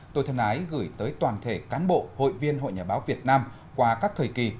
tôi thân ái gửi tới toàn thể cán bộ hội viên hội nhà báo việt nam qua các thời kỳ